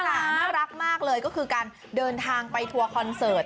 น่ารักมากเลยก็คือการเดินทางไปทัวร์คอนเสิร์ต